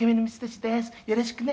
「“よろしくね！